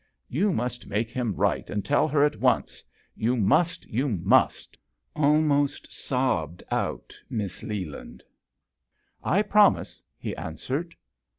" You must make him write and tell her at once you must, 82 JOHN SHERMAN. you must !" almost sobbed out Miss Leland. " I promise/' he answered.